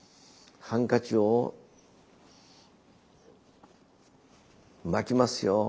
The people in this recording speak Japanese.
ハンカチを巻きますよ。